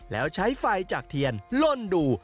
แล้วใช้ไฟจากเทียนล่นดู